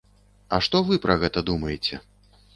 А што вы пра гэта думаеце?